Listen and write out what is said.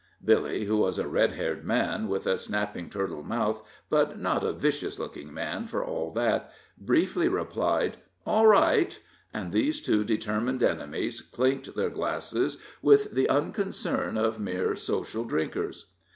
Billy, who was a red haired man, with a snapping turtle mouth, but not a vicious looking man for all that, briefly replied, "All right," and these two determined enemies clinked their glasses with the unconcern of mere social drinkers.